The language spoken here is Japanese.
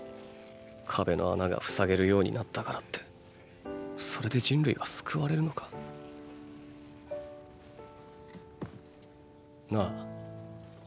壁の穴が塞げるようになったからってそれで人類は救われるのか？なぁ。